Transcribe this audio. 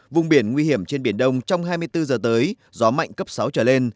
vùng biển nguy hiểm trên biển đông trong hai mươi bốn giờ tới gió mạnh cấp sáu trở lên